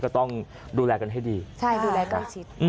ก็ต้องดูแลกันให้ดี